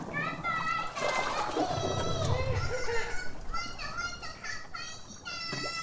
もっともっとかんぱいしたい！